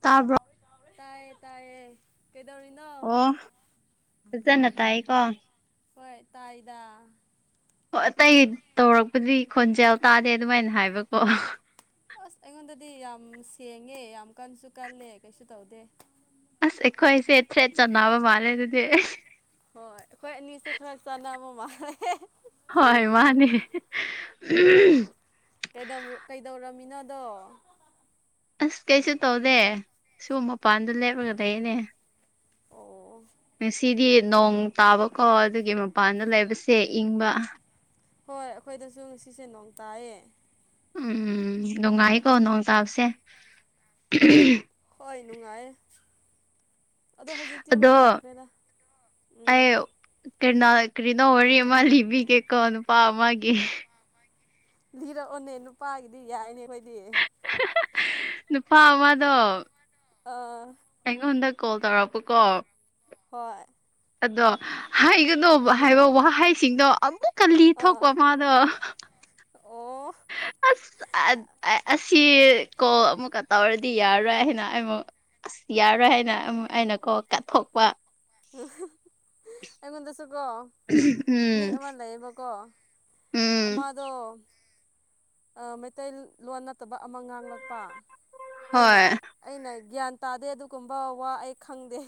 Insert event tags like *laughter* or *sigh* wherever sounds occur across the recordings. ꯇꯥꯕ꯭ꯔꫭ ꯇꯥꯌꯦ ꯇꯥꯌꯦ ꯀꯩꯗꯧꯔꯤꯅꯣ ꯑꯣ ꯐꯖꯅ ꯇꯥꯏꯀꯣ ꯍꯣꯏ ꯇꯥꯏꯗ ꯍꯣꯏ ꯑꯇꯩ ꯇꯧꯔꯛꯄꯗꯤ ꯈꯣꯟꯖꯦꯜ ꯇꯥꯗꯦ ꯑꯗꯨꯃꯥꯏꯅ ꯍꯥꯏꯕꯀꯣ ꯑꯁ ꯑꯩꯉꯣꯟꯗꯗꯤ ꯌꯥꯝ ꯁꯦꯡꯉꯦ ꯌꯥꯝ ꯀꯟꯁꯨ ꯀꯜꯂꯦ ꯀꯩꯁꯨ ꯇꯧꯗꯦ ꯑꯁ ꯑꯩꯈꯣꯏꯁꯦ ꯊ꯭ꯔꯦꯠ ꯆꯟꯅꯕ ꯃꯥꯜꯂꯦ ꯑꯗꯨꯗꯤ ꯍꯣꯏ ꯑꯩꯈꯣꯏ ꯑꯅꯤꯁꯦ ꯈꯔ ꯆꯥꯟꯅꯕ ꯃꯥꯜꯂꯦ ꯍꯣꯏ ꯃꯥꯅꯦ ꯑꯍꯝ ꯀꯩꯗꯧꯔ ꯀꯩꯗꯧꯔꯝꯃꯤꯅꯣꯗꯣ ꯑꯁ ꯀꯩꯁꯨ ꯇꯧꯗꯦ ꯁꯨꯝ ꯃꯄꯥꯟꯗ ꯂꯦꯞꯔꯒ ꯂꯩꯌꯦꯅꯦ ꯑꯣ ꯉꯁꯤꯗꯤ ꯅꯣꯡ ꯇꯥꯕꯀꯣ ꯑꯗꯨꯒꯤ ꯃꯄꯥꯟꯗ ꯂꯩꯕꯁꯦ ꯏꯪꯕ ꯍꯣꯏ ꯑꯩꯈꯣꯏꯗꯁꯨ ꯉꯁꯤꯁꯦ ꯅꯣꯡ ꯇꯥꯏꯌꯦ ꯎꯝ ꯅꯨꯡꯉꯥꯏꯀꯣ ꯅꯣꯡ ꯇꯥꯕꯁꯦ ꯍꯣꯏ ꯅꯨꯡꯉꯥꯏꯌꯦ ꯑꯗꯣ ꯍꯧꯖꯤꯛꯇꯤ ꯑꯃꯨꯛ ꯑꯗꯣ ꯐꯈ꯭ꯔꯦꯗ ꯎꯝ ꯀꯩꯅꯣ ꯀꯔꯤꯅꯣ ꯋꯥꯔꯤ ꯑꯃ ꯂꯤꯕꯤꯒꯦꯀꯣ ꯅꯨꯄꯥ ꯑꯃꯒꯤ ꯂꯤꯔꯛꯑꯣꯅꯦ ꯅꯨꯄꯥꯒꯤꯗꯤ ꯌꯥꯏꯅꯦ ꯑꯩꯈꯣꯏꯗꯤ ꯅꯨꯄꯥ ꯑꯃꯗꯣ ꯑꯥ ꯑꯩꯉꯣꯟꯗ ꯀꯣꯜ ꯇꯧꯔꯛꯄꯀꯣ ꯍꯣꯏ ꯑꯗꯣ ꯍꯥꯏꯒꯅꫭ ꯎꯝ ꯍꯥꯏꯕ ꯋꯥꯍꯩꯁꯤꯡꯗꯣ ꯑꯃꯨꯛ ꯀꯂꯤ ꯑꯥ ꯊꯣꯛꯄꯣ ꯃꯥꯗꯣ ꯑꯣ ꯑꯁ ꯑꯁꯤ ꯀꯣꯜ ꯑꯃꯨꯛꯀ ꯇꯧꯔꯗꯤ ꯌꯥꯔꯣꯏ ꯍꯥꯏꯅ ꯑꯩꯃꯨꯛ ꯑꯁ ꯌꯥꯔꯣꯏ ꯍꯥꯏꯅ ꯑꯩꯅꯀꯣ ꯀꯠꯊꯣꯛꯄ ꯎ ꯑꯩꯉꯣꯟꯗꯁꯨꯀꯣ ꯃꯤ ꯎꯝ ꯑꯃ ꯂꯩꯌꯦꯕꯀꯣ ꯎꯝ ꯃꯥꯗꫭ ꯃꯩꯇꯩꯂꯣꯟ ꯅꯠꯇꯕ ꯑꯃ ꯉꯥꯡꯂꯛꯄ ꯑꯩꯅ ꯍꯣꯏ ꯑꯩꯅ ꯒ꯭ꯌꯥꯟ ꯇꯥꯗꯦ ꯑꯗꯨꯒꯨꯝꯕ ꯋꯥ ꯑꯩ ꯈꯪꯗꯦ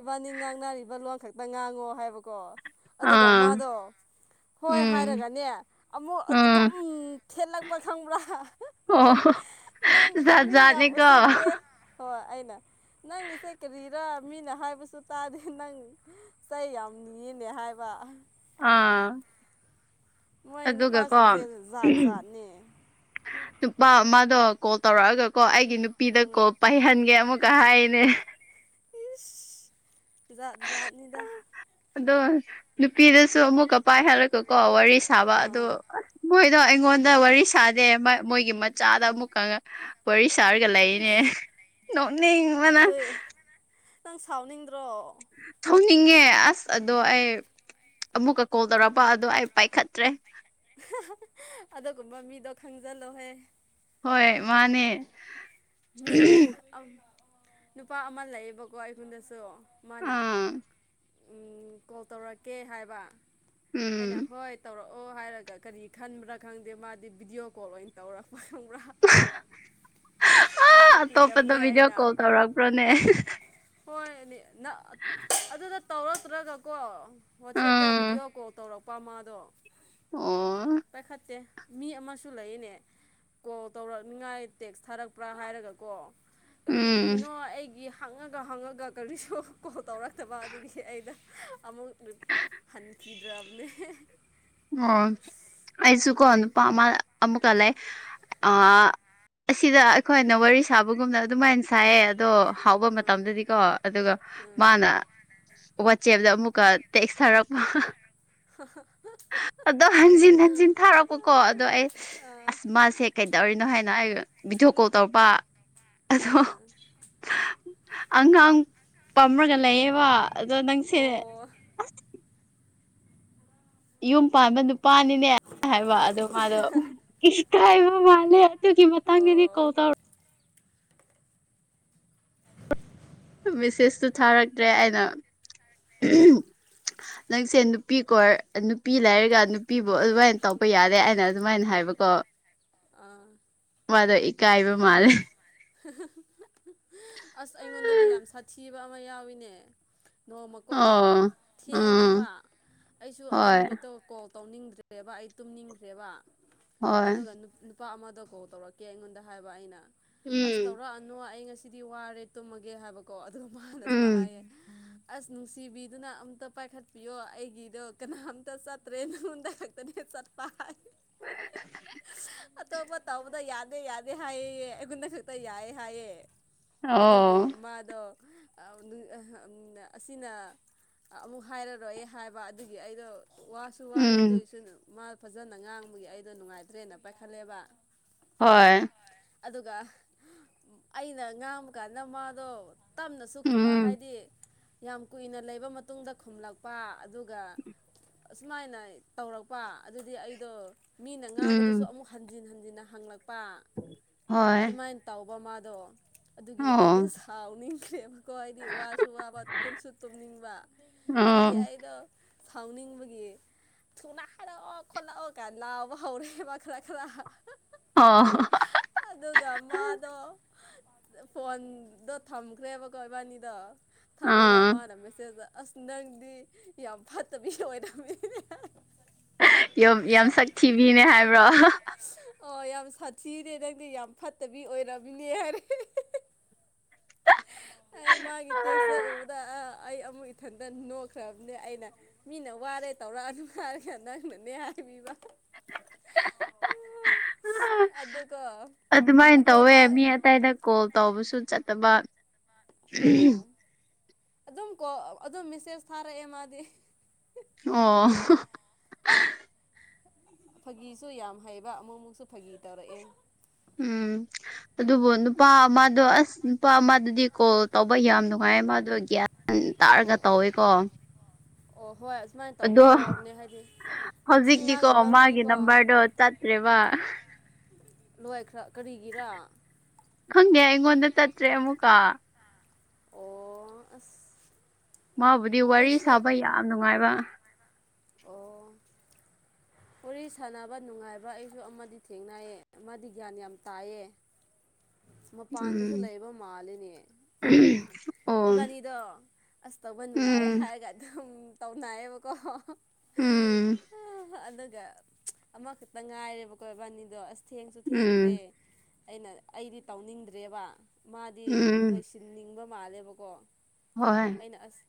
ꯏꯕꯥꯅꯤ ꯉꯥꯡꯅꯔꯤꯕ ꯂꯣꯟ ꯈꯛꯇ ꯉꯥꯡꯉꯣ ꯍꯥꯏꯕꯀꯣ ꯑꯗꯨꯒ ꯑꯥ ꯃꯥꯗꯣ ꯍꯣꯏ ꯎꯝ ꯍꯥꯏꯔꯒꯅꯦ ꯑꯃꯨꯛ ꯎꯝ ꯑꯗꯨꯝ ꯆꯠꯂꯛꯄ ꯈꯪꯕ꯭ꯔꯥ ꯑꯣ ꯅꯪꯒꯤꯗꫭ ꯖꯥꯠ ꯃꯤ ꯌꯥꯝ ꯖꯥꯠꯅꯤꯀꯣ ꯎꯁꯤꯠꯇꯦ ꯍꯣꯏ ꯑꯩꯅ ꯅꯪꯒꯤꯁꯦ ꯀꯔꯤꯔꯥ ꯃꯤꯅ ꯍꯥꯏꯕꯁꯨ ꯇꯥꯗꯦ ꯅꯪ ꯆꯩ ꯌꯥꯝ ꯅꯤꯌꯦꯅꯦ ꯍꯥꯏꯕ ꯑꯥ ꯃꯣꯏ ꯅꯨꯄꯥꯁꯤꯡꯁꯦ ꯑꯗꯨꯒꯀꯣ ꯖꯥꯠ ꯖꯥꯠꯅꯦ ꯅꯨꯄꯥ ꯑꯃꯗꯣ ꯀꯣꯜ ꯇꯧꯔꯛꯑꯒ ꯀꯣ ꯑꯩꯒꯤ ꯅꯨꯄꯤꯗ ꯎꯝ ꯀꯣꯜ ꯄꯥꯏꯍꯟꯒꯦ ꯑꯃꯨꯛꯀ ꯍꯥꯏꯅꯦ ꯏꯁ ꯖꯥꯠ ꯖꯥꯠꯅꯤꯗ ꯑꯗꯣ ꯅꯨꯄꯤꯗꯁꯨ ꯑꯃꯨꯛꯀ ꯄꯥꯏꯍꯜꯂꯀ ꯀꯣ ꯋꯥꯔꯤ ꯁꯥꯕ ꯑꯗꯣ ꯑꯥ ꯃꯣꯏꯗꯣ ꯑꯩꯉꯣꯟꯗ ꯋꯥꯔꯤ ꯁꯥ ꯗꯦ ꯃꯣꯏꯒꯤ ꯃꯆꯥꯗ ꯑꯃꯨꯛꯀ ꯋꯥꯔꯤ ꯁꯥꯔꯒ ꯂꯩꯅꯦ ꯏꯁ ꯅꯣꯛꯅꯤꯡꯕꯅ ꯑꯗꯨꯏ ꯅꯪ ꯁꯥꯎꯅꯤꯡꯗ꯭ꯔꯣ ꯊꯣꯡꯅꯤꯡꯉꯦ ꯑꯁ ꯑꯗꯣ ꯑꯩ ꯑꯃꯨꯛꯀ ꯀꯣꯜ ꯇꯧꯔꯛꯄ ꯑꯗꯣ ꯑꯩ ꯄꯥꯏꯈꯠꯇ꯭ꯔꯦ ꯑꯗꯨꯒꯨꯝꯕ ꯃꯤꯗꯣ ꯈꯪꯖꯜꯂꯣꯍꯦ ꯍꯣꯏ ꯃꯥꯅꯦ ꯃꯤ ꯅꯨꯄꯥ ꯑꯃ ꯂꯩꯌꯦꯕꯀꯣ ꯑꯩꯉꫭꯟꯗꯁꯨ ꯃꯥꯅ ꯑꯥ ꯀꯣꯜ ꯇꯧꯔꯛꯀꯦ ꯍꯥꯏꯕ ꯑꯩꯅ ꯎꯝ ꯍꯣꯏ ꯇꯧꯔꯛꯑꯣ ꯍꯥꯏꯔꯒ ꯀꯔꯤ ꯈꯟꯕ꯭ꯔꯥ ꯈꯪꯗꯦ ꯃꯥꯗꯤ ꯚꯤꯗꯤꯑꯣ ꯀꯣꯜ ꯑꯣꯏꯅ ꯇꯧꯔꯛꯄ ꯈꯪꯕ꯭ꯔꯥ ꯑ ꯑꯇꯣꯞꯄꯗ ꯄꯥꯏꯈꯠꯄꯤꯗꯕꯅꯦ ꯚꯤꯗꯤꯑꯣ ꯑꯩꯅ ꯀꯣꯜ ꯇꯧꯔꯛꯄ꯭ꯔꯥꯅꯦ ꯍꯣꯏ ꯑꯗꯨꯗ ꯇꯧꯔꯛꯇ꯭ꯔꯒꯀꯣ ꯋꯥꯆꯦꯞꯇ ꯎꯝ ꯚꯤꯗꯤꯑꯣ ꯀꯣꯜ ꯇꯧꯔꯛꯄ ꯃꯥꯗꯣ ꯑꯣ ꯄꯥꯏꯈꯠꯇꯦ ꯃꯤ ꯑꯃꯁꯨ ꯂꯩꯅꯦ ꯀꯣꯜ ꯇꯧꯔꯛꯅꯤꯉꯥꯏ ꯇꯦꯛꯁ ꯊꯥꯔꯛꯄ꯭ꯔꯥ ꯍꯥꯏꯔꯒ ꯀꯣ ꯀꯔꯤ ꯎꯝ ꯀꯔꯤꯅꯣ ꯑꯩꯒꯤ ꯍꯪꯉꯒ ꯍꯪꯉꯒ ꯀꯔꯤꯁꯨ ꯀꯣꯜ ꯇꯧꯔꯛꯇꯕ ꯑꯗꯨꯒꯤ ꯑꯩꯅ ꯑꯃꯨꯛ ꯍꯟꯈꯤꯗ꯭ꯔꯕꯅꯦ ꯑꯣ ꯑꯩꯁꯨ ꯀꯣꯅꯄꯥ ꯑ ꯑꯃꯨꯀ ꯂꯩ ꯑ ꯑꯁꯤꯗ ꯑꯩꯈꯣꯏꯅ ꯋꯥꯔꯤ ꯁꯥꯕꯒꯨꯝꯅ ꯑꯗꯨꯃꯥꯏꯅ ꯁꯥꯏꯌꯦ ꯑꯗꯣ ꯍꯥꯎꯕ ꯃꯇꯝꯗꯗꯤꯀꯣ ꯑꯗꯨꯒ ꯃꯥꯅ ꯋꯥꯆꯦꯞꯇ ꯑꯃꯨꯛꯀ ꯇꯦꯛꯊꯔꯛꯄ ꯍ ꯍ *unintelligible* ꯑꯗꯣ ꯍꯟꯖꯤꯟ ꯍꯟꯖꯤꯟ ꯊꯥꯔꯛꯄꯀꯣ ꯑꯗꯣ ꯑꯩ ꯑꯥ ꯑꯥ ꯑꯁ ꯃꯥꯁꯦ ꯀꯩꯗꯧꯔꯤꯅꯣ ꯍꯥꯏꯅ ꯑꯩ ꯚꯤꯗꯤꯑꯣ ꯀꯣꯜ ꯇꯧꯔꯛꯄ ꯑꯗꯣ ꯑꯥ ꯑꯉꯥꯡ ꯄꯝꯔꯒ ꯂꯩꯌꯦꯕ ꯑꯗꯣ ꯅꯪꯁꯦ ꯑꯣ ꯑꯁ ꯌꯨꯝ ꯄꯥꯟꯕ ꯅꯨꯄꯅꯤ ꯍꯥꯏꯕ ꯑꯗꫭ ꯃꯥꯗꯣ ꯏꯁ ꯏꯀꯥꯏꯕ ꯃꯥꯜꯂꯦ ꯑꯗꯨꯒꯤ ꯃꯇꯥꯡꯗꯗꯤ ꯑꯣ ꯀꫭꯜ ꯇꯧꯔ ꯃꯦꯁꯦꯁꯇꯨ ꯊꯥꯔꯛꯇ꯭ꯔꯦ ꯑꯩꯅ ꯅꯪꯁꯦ ꯅꯨꯄꯤ ꯀꫭꯏ ꯅꯨꯄꯤ ꯂꯩꯔꯒ ꯅꯨꯄꯤꯕꯨ ꯑꯗꯨꯃꯥꯏꯅ ꯇꯧꯕ ꯌꯥꯔꯦ ꯍꯥꯏꯅ ꯑꯗꯨꯃꯥꯏꯅ ꯍꯥꯏꯕꯀꯣ *unintelligible* ꯑꯥ ꯃꯥꯗꯣ ꯏꯀꯥꯏꯕ ꯃꯥꯂꯦ ꯑꯁ ꯑꯩꯉꯣꯟꯗꯗꯤ ꯌꯥꯝ ꯁꯥꯊꯤꯕ ꯑꯃ ꯌꯥꯎꯋꯤꯅꯦ ꯅꯣꯡꯃꯀꯣ ꯑꯣ ꯊꯦꯡꯉꯦꯕ ꯎꯝ ꯑꯩꯁꯨ ꯑꯗꯨ ꯍꯣꯏ ꯅꯨꯃꯤꯠꯇꯧ ꯀꯣꯜ ꯇꯧꯅꯤꯡꯗ꯭ꯔꯦꯕ ꯑꯩ ꯇꯨꯝꯅꯤꯡꯈ꯭ꯔꯦꯕ ꯍꯣꯏ ꯑꯗꯨꯒ ꯅꯨꯄꯥ ꯑꯃꯗ ꯀꯣꯜ ꯇꯧꯔꯛ ꯀꯦ ꯑꯩꯉꯣꯟꯗ ꯍꯥꯏꯕ ꯑꯩꯅ ꯑꯁ ꯎꯝ ꯇꯧꯔꯛꯑꯅꯨ ꯑꯩ ꯉꯁꯤꯗꯤ ꯋꯥꯔꯦ ꯇꯨꯝꯃꯒꯦ ꯍꯥꯏꯕ ꯀꯣ ꯑꯗꯨꯒ ꯃꯥꯥꯟꯗꯁꯨꯃ ꯎꯝ ꯍꯥꯏꯌꯦ ꯑꯁ ꯅꯨꯡꯁꯤꯕꯤꯗꯨꯅ ꯑꯝꯇ ꯄꯥꯏꯈꯠꯄꯤꯌꯣ ꯑꯩꯒꯤꯗꯣ ꯀꯅꯥꯝꯇ ꯆꯠꯇ꯭ꯔꯦ ꯅꯉꯣꯟꯇ ꯈꯛꯇꯅꯤ ꯆ *unintelligible* ꯑꯇꯣꯞꯄ ꯇꯧꯕꯗ ꯌꯥꯗꯦ ꯌꯥꯗꯦ ꯍꯥꯏꯑ ꯑꯩꯒꯨꯟꯗ ꯈꯛꯇ ꯌꯥꯏꯑꯦ ꯍꯥꯏꯑ ꯑꯗꯨꯒꯤ ꯑꯣ ꯃꯥꯗꯣ ꯑꯁꯤꯅ ꯑꯃꯨꯛ ꯍꯥꯏꯔꯔꯣꯏ ꯍꯥꯏꯕ ꯑꯗꯨꯒꯤ ꯑꯩꯗꯣ ꯋꯥꯁꯨ ꯋꯥꯔꯦ ꯎꯝ ꯑꯗꯨꯏꯁꯨ ꯃꯥ ꯐꯖꯅ ꯉꯥꯡꯕꯒꯤ ꯑꯩꯗꯣ ꯅꯨꯡꯉꯥꯏꯇ꯭ꯔꯦꯅ ꯄꯥꯏꯈꯠꯂꯦꯕ ꯍꯣꯏ ꯑꯗꯨꯒ ꯑꯩꯅ ꯉꯥꯡꯕ ꯀꯥꯟꯗ ꯃꯥꯗꯣ ꯇꯞꯅꯁꯨ ꯎꯝ ꯍꯥꯏꯗꯤ ꯌꯥꯝ ꯀꯨꯏꯅ ꯂꯩꯕ ꯃꯇꯨꯡꯗ ꯈꯨꯝꯂꯛꯄ ꯑꯗꯨꯒ ꯑꯁꯨꯃꯥꯏꯅ ꯇꯧꯔꯛꯄ ꯑꯗꯨꯗꯤ ꯑꯩꯗꯣ ꯃꯤꯅ ꯉꯥꯡꯕꯗꯁꯨ ꯎꯝ ꯑꯃꯨꯛ ꯍꯟꯖꯤꯟ ꯍꯟꯖꯤꯟꯅ ꯍꯪꯂꯛꯄ ꯍꯣꯏ ꯑꯗꯨꯃꯥꯏꯅ ꯇꯥꯎꯙꯕ ꯃꯥꯗꯣ ꯑꯗꯨꯒꯤ ꯑꯩꯗꯣ ꯑꯣ ꯁꯥꯎꯅꯤꯡꯈ꯭ꯔꯦꯕ ꯀꯣ ꯑꯩꯗꯤ ꯋꯥꯁꯨ ꯋꯥꯕ ꯇꯨꯝꯁꯨ ꯇꯨꯝꯅꯤꯡꯕ ꯑꯗꯨꯒꯤ ꯑꯣ ꯑꯩꯗꯣ ꯁꯥꯎꯅꯤꯡꯕꯒꯤ ꯊꯨꯅ ꯍꯥꯏꯔꯛꯑꯣ ꯈꯣꯠꯂꯛꯑꯣ ꯀꯥꯏ ꯂꯥꯎꯕ ꯍꯧꯔꯛꯑꯦꯕ ꯈꯔ ꯈꯔ ꯑꯥ ꯑꯗꯨꯒ ꯃꯥꯗꯣ ꯐꯣꯟꯗꯣ ꯊꯝꯈ꯭ꯔꯦꯕ ꯀꯣꯏ ꯏꯕꯥꯅꯤꯗꯣ ꯊꯝꯃꯒ ꯑꯥ ꯃꯥꯅ ꯃꯦꯁꯦꯖꯇ ꯑꯁ ꯅꯪꯗꯤ ꯌꯥꯝ ꯐꯠꯇꯕꯤ ꯑꯣꯏꯔꯝꯃꯤ ꯌ ꯌꯥꯝ ꯁꯥꯛ ꯊꯤꯕꯤꯅꯦ ꯍꯥꯏꯕ꯭ꯔꯣ ꯑꯣ ꯌꯥꯝ ꯁꯥꯊꯤꯅꯦ ꯅꯪꯗꯤ ꯌꯥꯝ ꯐꯠꯇꯕꯤ ꯑꯣꯏꯔꯝꯃꯤꯅꯦ ꯍꯥꯏꯔꯦ ꯑꯩ ꯃꯥꯒꯤ ꯇꯦꯛꯁꯇ ꯎꯕꯗ ꯑꯩ ꯑꯃꯨꯛ ꯏꯊꯟꯇ ꯅꯣꯛꯈ꯭ꯔꯕꯅꯦ ꯑꯩꯅ ꯃꯤꯅ ꯋꯥꯔꯦ ꯇꯧꯔꯛ ꯑꯗꯨ ꯍꯥꯏꯔꯒ ꯅꯪꯅꯅꯦ ꯍꯥꯏꯕꯤꯕ ꯑꯗꯨꯒ ꯑꯗꯨꯃꯥꯏꯟ ꯑꯗꯣ ꯇꯧꯋꯦ ꯃꯥ ꯃꯤ ꯑꯇꯩꯗ ꯀꯣꯜ ꯇꯧꯕꯁꯨ ꯆꯠꯇꯕ ꯑꯥ ꯑꯗꯨꯝ ꯀꯣꯜ ꯑꯗꯨꯝ ꯃꯦꯁꯦꯖ ꯊꯥꯔꯛꯑꯦ ꯃꯥꯗꯤ ꯌ꯭ꯑꯣ *unintelligible* ꯐꯥꯒꯤꯁꯨ ꯌꯥꯝ ꯍꯩꯕ ꯑꯃꯨꯛ ꯃꯨꯛꯁꯨ ꯐꯥꯒꯤ ꯇꯧꯔꯛꯑꯦ ꯎꯝ ꯑꯗꯨꯕꯨ ꯅꯨꯞ ꯄꯥ ꯃꯥꯗꯣ ꯑꯁ ꯅꯨꯄꯥ ꯃꯥꯗꯨꯗꯤ ꯀꯣꯜ ꯇꯧꯕ ꯌꯥꯝ ꯅꯨꯡꯉꯥꯏꯌꯦ ꯃꯥꯗꯣ ꯒ꯭ꯌꯥꯟ ꯥ꯭ꯟ ꯇꯥꯔꯒ ꯑꯣ ꯇꯧꯋꯦꯀꯣ ꯑꯣ ꯍꯣꯏ ꯑꯁꯨꯃꯥꯏꯅ ꯑꯗꯣ ꯇꯧꯕꯁꯨ ꯌꯥꯎꯕꯅꯦ ꯍꯥꯏꯗꯤ ꯋꯥꯊꯤ ꯍꯧꯖꯤꯛꯇꯤꯀꯣ ꯉꯥꯡꯗꯕ ꯃꯥꯒꯤ ꯃꯤꯀꯣ ꯅꯝꯕꯔꯗꯣ ꯆꯠꯇ꯭ꯔꯦꯕ ꯂꯣꯏꯈ꯭ꯔ ꯀꯔꯤꯒꯤꯔꯥ ꯈꯪꯗꯦ ꯑꯩꯉꯣꯟꯗ ꯆꯠꯇ꯭ꯔꯦ ꯑꯃꯨꯛꯀ ꯑꯣ ꯑꯁ ꯃꯥꯕꯨꯗꯤ ꯋꯥꯔꯤ ꯑꯩꯁꯨ ꯁꯥꯕ ꯌꯥꯝ ꯅꯨꯡꯉꯥꯏꯕ ꯑꯣ ꯋꯥꯔꯤ ꯁꯥꯟꯅꯕ ꯅꯨꯡꯉꯥꯏꯕ ꯑꯩꯁꯨ ꯑꯃꯗꯤ ꯊꯦꯡꯅꯌꯦ ꯃꯥꯗꯤ ꯒ꯭ꯌꯥꯟ ꯌꯥꯝ ꯇꯥꯏꯌꯦ ꯎꯝ ꯃꯄꯥꯟꯗꯁꯨ ꯂꯩꯕ ꯃꯥꯜꯂꯤꯅꯦ ꯑꯃꯨꯛ ꯑꯣ ꯏꯕꯥꯅꯤꯗꯣ ꯑꯁ ꯇꯧꯕ ꯅꯨꯡꯉꯥꯏꯌꯦ ꯎꯝ ꯍꯥꯏꯔꯒ ꯑꯗꯨꯝ ꯇꯧꯅꯩꯌꯦꯕꯀꯣ ꯎꯝ ꯑꯗꯨꯒ *unintelligible* ꯑꯃꯈꯛꯇ ꯉꯥꯏꯔꯦꯕꯀꯣ ꯏꯕꯥꯅꯤꯗꯣ ꯑꯁ ꯊꯦꯡꯁꯨ ꯊꯦꯡꯈ꯭ꯔꯦ ꯎꯝ ꯑꯩꯅ ꯑꯩꯗꯤ ꯇꯧꯅꯤꯡꯗ꯭ꯔꯦꯕ ꯃꯥꯗꯤ ꯎꯝ ꯂꯣꯏꯁꯤꯟꯅꯤꯡꯕ ꯃꯥꯜꯂꯦꯕꯀꯣ ꯍꯣꯏ ꯑꯩꯅ ꯑꯁ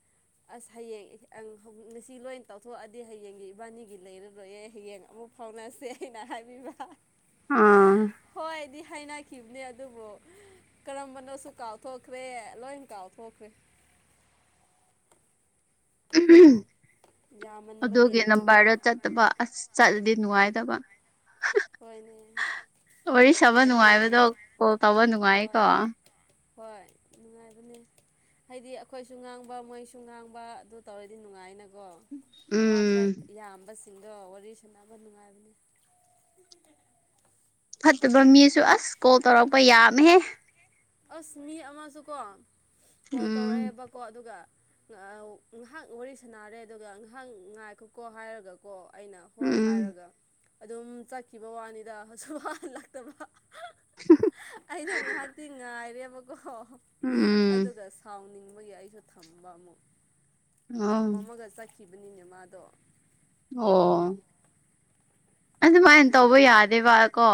ꯑꯁ ꯍꯌꯦꯡ ꯏꯍ ꯑꯪ ꯉꯁꯤ ꯂꯣꯏ ꯇꯧꯊꯣꯛꯑꯗꯤ ꯍꯌꯦꯡꯒꯤ ꯏꯕꯥꯅꯤꯒꯤ ꯂꯩꯔ ꯔꯣꯏꯑꯦ ꯍꯌꯦꯡ ꯑꯃꯨꯛ ꯐꯥꯎꯅꯁꯦ ꯑꯩꯅ ꯍꯥꯏꯕꯤꯕ ꯑꯥ ꯍꯣꯏꯗꯤ ꯍꯥꯏꯅ__ ꯈꯤꯕꯅꯦ ꯑꯗꯨꯕꯨ ꯀꯔꯝꯕꯅꯣꯁꯨ ꯀꯥꯎꯊꯣꯛꯈ꯭ꯔꯦ ꯂꯣꯏꯅ ꯀꯥꯎꯊꯣꯛꯈ꯭ꯔꯦ *unintelligible* ꯌꯥꯝꯃꯟꯕꯒꯤ ꯑꯗꯨꯒꯤ ꯅꯝꯕꯔꯗꯣ ꯆꯠ ꯇꯕ ꯑꯁ ꯆꯠꯂꯗꯤ ꯅꯨꯡꯉꯥꯏꯗꯕ *unintelligible* ꯍꯣꯏꯅꯦ ꯋꯥꯔꯤ ꯁꯥꯕ ꯅꯨꯡꯉꯥꯏꯇꯦꯅꯦ ꯅꯨꯡꯉꯥꯏꯕꯗꯣ ꯀꯣꯜ ꯇꯧꯕ ꯅꯨꯡꯉꯥꯏꯌꯦ ꯍꯣꯏ ꯀꯣ ꯍꯣꯏ ꯅꯨꯡꯉꯥꯏꯕꯅꯦ ꯍꯥꯏꯗꯤ ꯑꯩꯈꯣꯏꯁꯨ ꯉꯥꯡꯕ ꯃꯣꯏꯁꯨ ꯉꯥꯡꯕ ꯑꯗꯨ ꯇꯧꯔꯗꯤ ꯅꯨꯡꯉꯥꯏꯅ__ ꯀꯣ ꯋꯥ ꯈꯔ ꯎꯝ ꯌꯥꯝꯕꯁꯤꯡꯗꯣ ꯋꯥꯔꯤ ꯁꯥꯟꯅꯕ ꯅꯨꯡꯉꯥꯏꯕꯅꯦ ꯐꯠꯇꯕ ꯃꯤꯁꯨ ꯑꯁ ꯀꯣꯜ ꯇꯧꯔꯛꯄ ꯌꯥꯝꯃꯦꯍꯦ ꯑꯁ ꯃꯤ ꯑꯃꯁꯨꯀꯣ ꯀꯣꯜ ꯎꯝ ꯇꯧꯔꯛꯑꯦꯕꯀꯣ ꯑꯗꯨꯒ ꯑꯑ ꯉꯥꯏꯍꯥꯛ ꯋꯥꯔꯤ ꯁꯥꯟꯅꯔꯦ ꯑꯗꯨꯒ ꯉꯥꯏꯍꯥꯛ ꯉꯥꯏꯈꯣꯀꯣ ꯍꯥꯏꯔꯒꯀꯣ ꯑꯩꯅ ꯍꯣꯏ ꯎꯝ ꯍꯥꯏꯔꯒ ꯑꯗꯨꯝ ꯆꯠꯈꯤꯕ ꯋꯥꯅꯤꯗ ꯁꯨꯛ ꯍꯥꯜ ꯍꯜꯂꯛꯇꯕ *unintelligible* ꯑꯩꯗꯣ ꯉꯥꯏꯍꯥꯛꯇꯤ ꯉꯥꯏꯔꯦꯕꯀꯣ ꯎꯝ ꯑꯗꯨꯒ ꯁꯥꯎꯅꯤꯡꯕꯒꯤ ꯑꯩꯁꯨ ꯊꯝꯕ ꯑꯃꯨꯛ ꯊꯝ ꯑꯣ ꯃꯝꯃꯒ ꯆꯠꯈꯤꯕꯅꯤꯅꯦ ꯃꯥꯗꯣ ꯑꯣ ꯑꯗꯨꯃꯥꯏꯅ ꯃꯤ ꯇꯧꯕ ꯌꯥꯝ ꯌꯥꯗꯦꯕ ꯀꯣ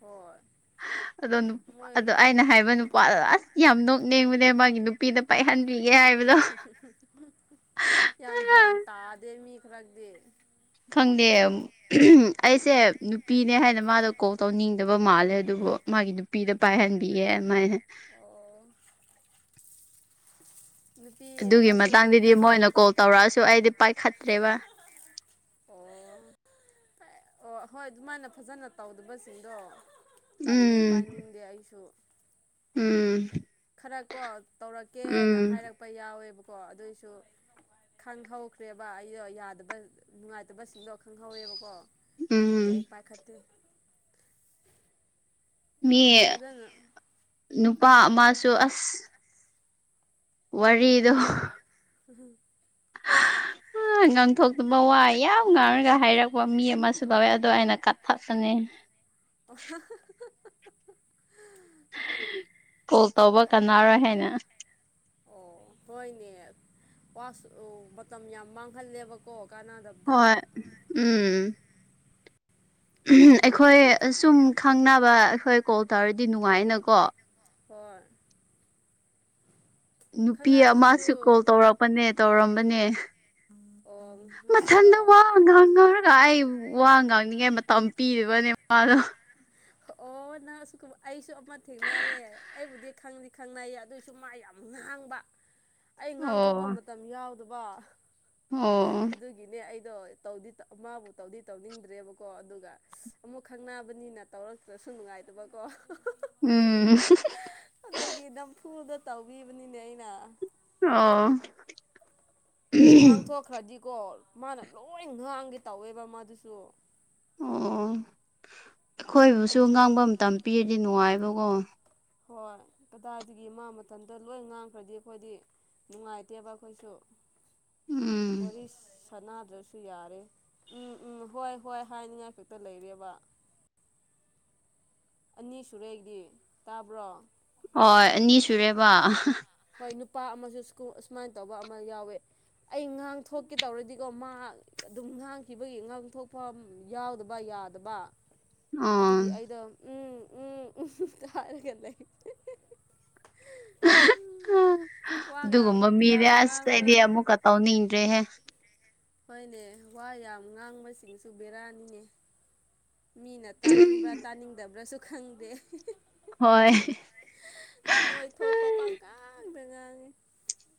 ꯍꯣꯏ ꯑꯗꯣ ꯅꯨꯞ ꯃꯣꯏ ꯑꯗꯣ ꯑꯩꯅ ꯍꯥꯏꯕ ꯅꯨꯄꯥꯗꯣ ꯑꯁ ꯌꯥꯝ ꯅꯣꯛꯅꯤꯡꯕꯅꯦ ꯃꯥꯒꯤ ꯅꯨꯄꯤꯗꯞ__ *unintelligible* ꯌꯥꯝ ꯒ꯭ꯌꯥꯟ ꯇꯥꯗꯦ ꯃꯤ ꯈꯔꯛꯗꯤ ꯈꯪꯗꯦ ꯑꯝ *unintelligible* ꯑꯩꯁꯦ ꯅꯨꯄꯤꯅꯦ ꯍꯥꯏꯅ ꯃꯥꯗꯣ ꯀꯣꯜ ꯇꯧꯅꯤꯡꯗꯕ ꯃꯥꯜꯂꯦ ꯑꯗꯨꯕꯨ ꯃꯥꯒꯤ ꯅꯨꯞ__ ꯄꯤꯗ ꯄꯥꯏꯍꯟꯕꯤꯌꯦ ꯑꯗꯨꯃꯥꯏꯅ ꯑꯣ ꯅꯨꯄꯤ ꯑꯗꯨꯒꯤ ꯑꯃꯁꯨ ꯃꯇꯥꯡꯗꯗꯤ ꯑꯩꯉꯣꯟꯗ ꯃꯣꯏꯅ ꯀꯣꯜ ꯇꯧꯔꯛꯑꯁꯨ ꯑꯩꯗꯤ ꯄꯥꯏꯈꯠꯇ꯭ꯔꯦꯕ ꯑꯣ ꯑꯣ ꯍꯣꯏ ꯑꯗꯨꯃꯥꯏꯅ ꯐꯖꯅ ꯇꯧꯗꯕꯁꯤꯡꯗꯣ ꯇꯜꯂꯦ ꯎꯝ ꯄꯥꯏꯅꯤꯡꯗꯦ ꯑꯩꯁꯨ ꯎꯝ ꯈꯔ ꯀꯣ ꯇꯧꯔꯛꯀꯦꯅ ꯎꯝ ꯍꯥꯏꯔꯛꯄ ꯌꯥꯎꯋꯦꯕꯀꯣ ꯑꯗꯨꯏꯁꯨ ꯈꯪꯍꯧꯈ꯭ꯔꯦꯕ ꯑꯩꯗꯣ ꯌꯥꯗꯕ ꯅꯨꯡꯉꯥꯏꯇꯕꯁꯤꯡꯗꯣ ꯈꯪꯍꯧꯋꯦꯕꯀꯣ ꯑꯗꯨꯗꯒꯤꯒꯤ ꯎꯝ ꯑꯩ ꯄꯥꯏ ꯈꯇ ꯃꯤ ꯑꯗꯨꯅ ꯅꯨꯄꯥ ꯑꯃꯁꯨ ꯑꯁ ꯋꯥꯔꯤꯗꯣ ꯍꯝ ꯎ ꯑ ꯉꯥꯡꯊꯣꯛꯇꯕ ꯋꯥꯏ ꯌꯥꯝ ꯉꯥꯡꯔꯒ ꯍꯥꯏꯔꯛꯄ ꯃꯤ ꯑꯃꯁꯨ ꯂꯧꯋꯦ ꯑꯗꯣ ꯑꯩꯅ ꯀꯠꯊꯠꯄꯅꯤ ꯍꯥ ꯍ ꯍꯥ ꯀꯣꯜ ꯇꯧꯕ ꯀꯅꯥꯅꯔꯣꯏ ꯍꯥꯏꯅ ꯑꯣ ꯍꯣꯏꯅꯦ ꯄꯁ ꯃꯇꯝ ꯌꯥꯝ ꯃꯥꯡꯍꯜꯂꯦꯕꯀꯣ ꯀꯥꯟꯅꯗꯕ ꯍꯣꯏ ꯎꯝ ꯑꯗꯨ ꯁꯔꯨꯛꯄꯨꯗꯤ ꯑꯩꯈꯣꯏ ꯈꯛ ꯁꯨꯝ ꯈꯪꯅꯕ ꯑꯩꯈꯣꯏ ꯀꯣꯜ ꯇꯧꯔꯗꯤ ꯅꯨꯡꯉꯥꯏꯅꯀꯣ ꯍꯣꯏ ꯅꯨꯄꯤ ꯈꯪꯅꯗ꯭ꯔꯁꯨ ꯑꯃꯁꯨ ꯀꯣꯜ ꯇꯧꯔꯛꯄꯅꯦ ꯇꯧꯔꯝꯕꯅꯦ ꯑꯣ ꯉꯁꯤꯔꯣ ꯉꯥꯡꯅꯔꯒ ꯑꯩ ꯋꯥ ꯉꯥꯡꯅꯤꯡꯉꯥꯏ ꯃꯇꯝ ꯄꯤꯔꯤꯕꯅꯦ ꯃꯥꯗꯣ ꯑꯣ ꯑꯣ ꯅꯪꯁꯨꯨꯝ ꯑꯩꯁꯨ ꯑꯃ ꯊꯦꯡꯅꯌꯦ ꯑꯩꯕꯨꯗꯤ ꯈꯪꯗꯤ ꯈꯪꯅꯏꯌꯦ ꯑꯗꯨꯏꯁꯨ ꯃꯥ ꯌꯥꯝ ꯉꯥꯡꯕ *inaudible* ꯑꯩ ꯉꯥꯡꯊꯣꯛꯄ ꯑꯣ ꯃꯇꯝ ꯌꯥꯎꯗꯕ ꯑꯣ ꯍꯥ ꯑꯗꯨꯒꯤꯅꯦ ꯑꯩꯗꯣ ꯇꯧꯗꯤ ꯃꯥꯕꯨ ꯇꯧꯗꯤ ꯇꯧꯅꯤꯡꯗ꯭ꯔꯦꯕꯀꯣ ꯑꯗꯨꯒ ꯑꯃꯨꯛ ꯈꯪꯅꯕꯅꯤꯅ ꯇꯧꯔꯛꯇ꯭ꯔꯁꯨ ꯅꯨꯡꯉꯥꯏꯇꯕꯀꯣ ꯍ ꯍ ꯎꯝ ꯍ ꯍ ꯑꯗꯨꯗꯒꯤ ꯅꯝꯐꯨꯗ ꯇꯧꯕꯕꯅꯤꯅꯦ ꯑꯩꯅ ꯑꯣ ꯉꯥꯡꯊꯣꯛꯈ꯭ꯔꯗꯤꯀꯣ ꯃꯥꯅ ꯂꯣꯏ ꯉꯥꯡꯒꯦ ꯇꯧꯋꯦꯕ ꯃꯥꯗꯨꯁꯨ ꯑꯣ ꯑꯩꯈꯣꯏꯕꯨꯁꯨ ꯑꯗꯨ ꯉꯥꯡꯕ ꯃꯇꯝ ꯄꯤꯔꯗꯤ ꯅꯨꯡꯉꯥꯏꯕꯀꯣ ꯍꯣꯏ ꯀꯗꯥꯏꯗꯒꯤ ꯃꯥ ꯃꯇꯝꯊꯟꯇ ꯂꯣꯏ ꯉꯥꯡꯈ꯭ꯔꯗꯤ ꯑꯩꯈꯣꯏꯗꯤ ꯅꯅꯨꯡꯉꯥꯏ ꯑꯦꯌꯥꯕ ꯀꯣꯏꯁꯨ ꯎꯝ ꯄꯁ ꯁꯅꯥꯗ꯭ꯔꯁꯨ ꯌꯥꯔꯦ ꯎꯝ ꯎꯝ ꯍꯣꯏ ꯍꯣꯏ ꯍꯥꯏꯅꯤꯡꯉꯥꯏ ꯈꯛꯇ ꯂꯩꯔꯦꯕ ꯑꯅꯤ ꯁꯨꯔꯦꯗꯤ ꯇꯥꯕ꯭ꯔꯣ ꯑꯣ ꯑꯅꯤ ꯁꯨꯔꯦꯕ ꯍꯣꯏ ꯅꯨꯄꯥ ꯑꯃꯁꯨ ꯑꯨꯃꯥꯏꯅ ꯇꯧꯕ ꯑꯃ ꯌꯥꯎꯋꯦ ꯑꯩ ꯉꯥꯡ ꯊꯣꯛꯀꯦ ꯇꯧꯔꯗꯤꯀꯣ ꯃꯥ ꯑꯗꯨꯝ ꯉꯥꯡꯈꯤꯕꯒꯤ ꯉꯥꯡꯊꯣꯛꯐꯝ ꯌꯥꯎꯗꯕ ꯌꯥꯗꯕ ꯑꯗꯨꯒꯤ ꯎꯝ ꯑꯩꯗꯣ ꯎꯝ ꯎꯝ ꯎꯝꯇ ꯍꯥꯏꯔꯒ ꯂꯩ ꯍ ꯑꯥ ꯋꯥ ꯉꯥꯡ ꯑꯗꯨꯒꯨꯝꯕ ꯃꯤꯗꯤ ꯌꯥꯝ ꯉꯥꯡꯕ ꯁꯤꯗꯩꯗꯤ ꯑꯃꯨꯛꯀ ꯇꯧꯅꯤꯡꯗ꯭ꯔꯦꯍꯦ ꯍꯣꯏꯅꯦ ꯋꯥ ꯌꯥꯝ ꯉꯥꯡꯕꯁꯤꯡꯁꯨ ꯕꯦꯔꯥꯅꯤꯅꯦ ꯃꯤꯅ ꯇꯥꯅꯤꯡꯕ꯭ꯔꯥ ꯇꯥꯅꯤꯡꯗꯕ꯭ꯔꯥꯁꯨ ꯈꯪꯗꯦ ꯍ ꯍ ꯍꯣꯏ ꯃꯣꯏ ꯊꯣꯛꯄ ꯄꯥꯡꯉꯥꯡꯗ ꯉꯥꯡꯉꯤ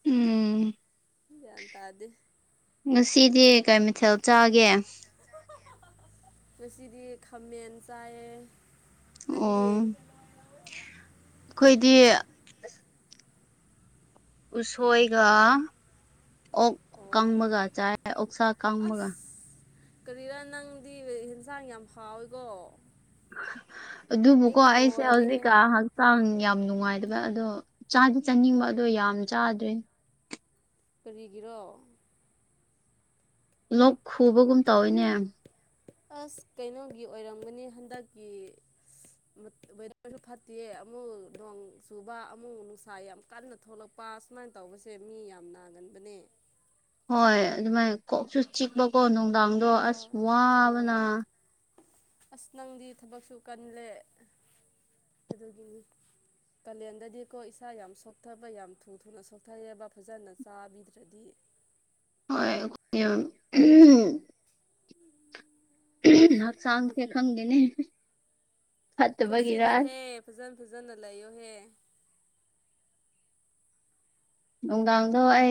ꯎꯨꯝ ꯒ꯭ꯌꯥꯟ ꯇꯥꯗꯦ ꯉꯁꯤꯗꯤ ꯀꯩ ꯃꯥꯊꯦꯜ ꯆꯥꯒꯦ ꯉꯁꯤꯗꯤ ꯈꯥꯃꯦꯟ ꯆꯥꯏꯌꯦ ꯅꯪꯗꯤ ꯑꯣ ꯑꯩꯈꯣꯏꯗꯤ ꯎꯁꯣꯏꯒ ꯑꯣꯛ ꯑꯣ ꯀꯪꯕꯒ ꯆꯥꯏ ꯑꯣꯛꯁꯥ ꯑꯀꯡꯕꯒ ꯀꯔꯤꯔ ꯅꯪꯗꯤ ꯍꯦꯟꯁꯥꯡ ꯌꯥꯝ ꯍꯥꯎꯋꯤꯀꯣ ꯑꯗꯨꯕꯨꯀꯣ ꯑꯩꯗꯤ ꯑꯩꯁꯦ ꯂꯣꯏꯔꯦꯍꯦ ꯍꯧꯖꯤꯛꯀ ꯆꯥꯡ ꯌꯥꯝ ꯅꯨꯡꯉꯥꯏꯗꯕ ꯑꯗꯣ ꯆꯥꯗꯤ ꯆꯥꯅꯤꯡꯕ ꯑꯗꯣ ꯌꯥꯝ ꯆꯥꯗ꯭ꯔꯦ ꯀꯥꯔꯤꯒꯤꯔꯣ ꯂꯣꯛ ꯈꯨꯕꯒꯨꯝ ꯇꯧꯋꯤꯅꯦ ꯑꯥꯁ ꯀꯩꯅꯣꯒꯤ ꯑꯣꯏꯔꯝꯒꯅꯤ ꯍꯟꯗꯛꯀꯤ *inaudible* ꯋꯦꯗꯔꯁꯨ ꯐꯠꯇꯦ ꯑꯃꯨꯛ ꯅꯣꯡ ꯆꯨꯕ ꯑꯃꯨꯛ ꯅꯨꯡꯁꯥ ꯌꯥꯝ ꯀꯟꯅ ꯊꯣꯛꯂꯛꯄ ꯁꯨꯃꯥꯏꯟꯅ ꯇꯧꯕꯁꯦ ꯃꯤ ꯌꯥꯝ ꯅꯥꯒꯟꯕꯅꯦ ꯍꯣꯏ ꯑꯗꯨꯃꯥꯏꯅ ꯀꯣꯛꯁꯨ ꯆꯤꯛꯄꯀꯣ ꯅꯨꯡꯗꯥꯡꯗꯣ ꯑꯁ ꯍꯣꯏ ꯑꯣ ꯋꯥꯕꯅ ꯑꯁ ꯅꯪꯗꯤ ꯊꯕꯛꯁꯨ ꯀꯜꯂꯦ ꯑꯗꯨꯒꯤꯅꯤ ꯀꯥꯂꯦꯟꯗꯗꯤꯀꯣ ꯏꯁꯥ ꯌꯥꯝ ꯁꯣꯛꯊꯕ ꯌꯥꯝ ꯊꯨ ꯊꯨꯅ ꯁꯣꯛꯊꯩꯑꯕ ꯐꯖꯅ ꯆꯥꯕꯤꯗ꯭ꯔꯗꯤ ꯍꯣꯏ ꯑꯩꯈ ꯎꯨꯝ *inaudible* *unintelligible* ꯎ ꯎ ꯍꯛꯆꯥꯡꯁꯦ ꯈꯪꯗꯦꯅꯦ ꯐꯠꯇꯕꯒꯤꯔ ꯆꯦꯛꯁꯤꯜꯂꯣꯍꯦ ꯐꯖꯟꯅ ꯐꯖꯟꯅ ꯂꯩꯌꯣꯍꯦ ꯅꯨꯡꯗꯥꯥꯡꯗꯣ ꯑꯩ